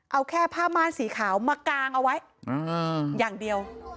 เอาแค่ผ้าม่านสีขาวมากางเอาไว้อย่างเดียว